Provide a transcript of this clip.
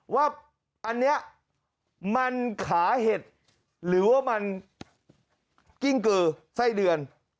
ว่าอันนี้มันขาเห็ดหรือว่ามันกิ้งกือไส้เดือน